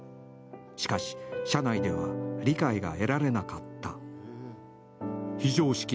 しかし社内では理解が得られなかった。